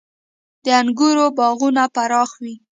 • د انګورو باغونه پراخ وي.